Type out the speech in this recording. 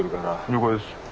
了解です。